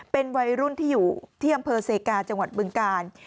เป็นวัยรุ่นที่อยู่ที่อำเภอเซกาจังหวัดบึงกาล